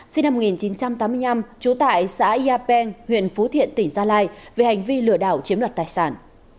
sinh năm một nghìn chín trăm tám mươi năm trú tại xã ya penng huyện phú thiện tỉnh gia lai về hành vi lừa đảo chiếm đoạt tài sản